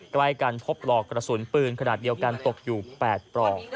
ใกล้กันพบปลอกกระสุนปืนขนาดเดียวกันตกอยู่๘ปลอก